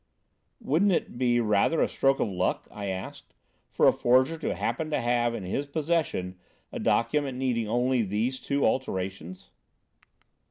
"Wouldn't it be rather a stroke of luck," I asked, "for a forger to happen to have in his possession a document needing only these two alterations?"